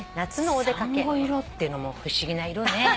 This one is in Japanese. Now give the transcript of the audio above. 「珊瑚色」っていうのも不思議な色ね。